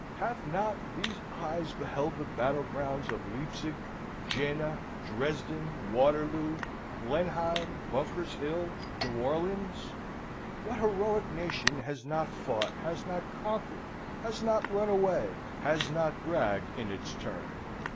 Have not these eyes beheld the battle grounds of Leipzig, Jena, Dresden, Waterloo, Blenheim, Bunker's Hill, New Orleans? What heroic nation has not fought, has not conquered, has not run away, has not bragged in its turn?